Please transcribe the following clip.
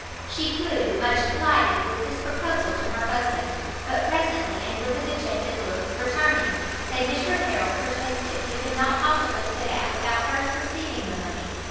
She flew, much delighted, with this proposal to her husband; but presently, and with a dejected look, returning, said Mr Harrel protested he could not possibly set out without first receiving the money.